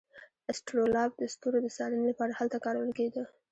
اسټرولاب د ستورو د څارنې لپاره هلته کارول کیده.